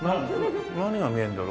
何が見えるんだろう？